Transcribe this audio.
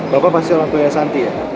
bapak pasti orang tua santi ya